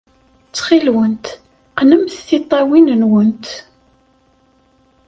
Ttxil-went, qqnemt tiṭṭawin-nwent.